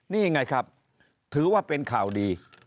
นี่ไงครับถือว่าเป็นข่าวดี